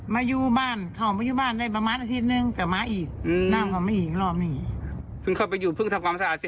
มาอยู่บ้านเข้ามาอยู่บ้านได้ประมาณอาทิตย์นึงแต่มาอีกน้ำเขามีอีกรอบนี้